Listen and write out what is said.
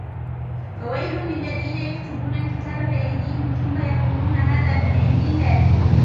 فَوَيْلٌ لِلَّذِينَ يَكْتُبُونَ الْكِتَابَ بِأَيْدِيهِمْ ثُمَّ يَقُولُونَ هَٰذَا مِنْ عِنْدِ اللَّهِ